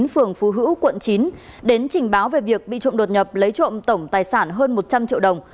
phường phú hữu quận chín đến trình báo về việc bị trộm đột nhập lấy trộm tổng tài sản hơn một trăm linh triệu đồng